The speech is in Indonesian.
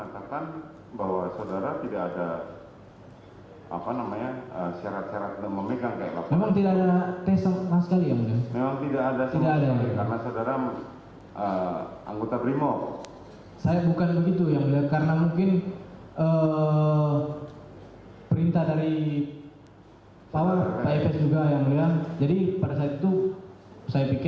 senjata glock tujuh belas milik barada eliezer sebelumnya menjadi polemik